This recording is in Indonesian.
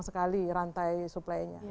sekali rantai suplainya